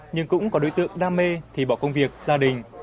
nhưng cũng có đối tượng đam mê thì bỏ công việc gia đình